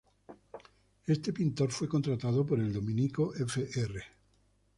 Este pintor fue contratado por el dominico Fr.